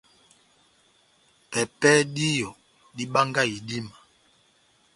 Pɛpɛhɛ díyɔ, dibangahi idíma.